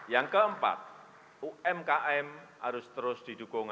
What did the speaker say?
yang keempat umkm harus terus didukung